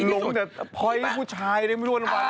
หลงแต่พลอยผู้ชายไม่รู้ว่าทำไมว่า